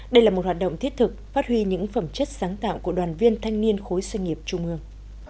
đây là một hoạt động thiết thực phát huy những phẩm chất sáng tạo của đoàn viên thanh niên khối doanh nghiệp trung ương